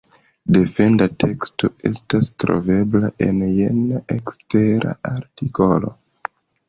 Defenda teksto estas trovebla en jena ekstera artikolo.